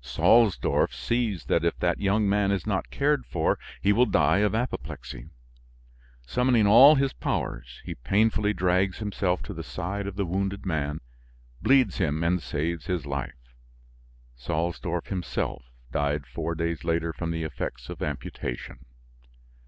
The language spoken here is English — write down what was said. Salsdorf sees that if that young man is not cared for he will die of apoplexy; summoning all his powers, he painfully drags himself to the side of the wounded man, bleeds him and saves his life. Salsdorf himself died four days later from the effects of amputation."